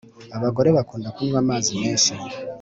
Abagore bakunda kunywa amazi menshi